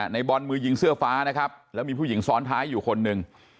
ในบอลมือยิงเสื้อฟ้านะครับแล้วมีผู้หญิงซ้อนท้ายอยู่คนหนึ่ง